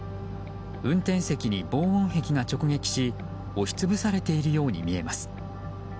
運転席に防音壁が直撃し押し潰されているように見えます。